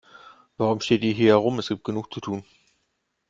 Warum steht ihr hier herum, es gibt genug zu tun.